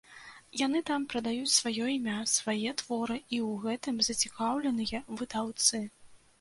Яны там прадаюць сваё імя, свае творы, і ў гэтым зацікаўленыя выдаўцы.